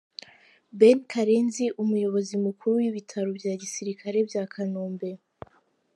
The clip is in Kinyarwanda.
Ben Karenzi umuyobozi mukuru w’Ibitaro bya Gisirikare bya Kanombe .